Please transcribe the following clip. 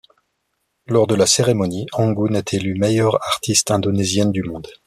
Lors de la cérémonie, Anggun est élue meilleure artiste indonésienne du monde.